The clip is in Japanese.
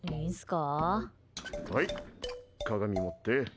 はい、鏡持って。